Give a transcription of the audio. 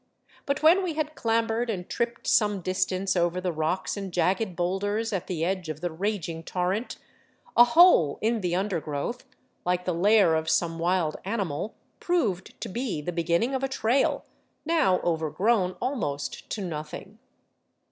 But when we had clambered and tripped some distance over the rocks and jagged boulders at the edge of the raging torrent, a hole in the undergrowth, like the lair of some wild animal, proved to be the beginning of a trail, now overgrown almost to nothing.